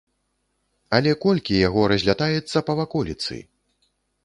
Але колькі яго разлятаецца па ваколіцы!